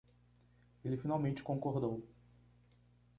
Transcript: Ele finalmente concordou